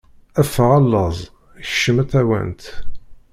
Ffeɣ a laẓ, kcemm a tawant.